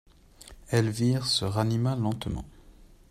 Elvire se ranima lentement.